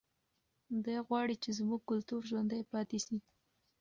دی غواړي چې زموږ کلتور ژوندی پاتې شي.